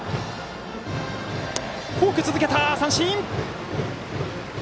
フォークを続けて三振！